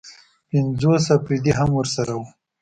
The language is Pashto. پنځوس اپرېدي هم ورسره وو.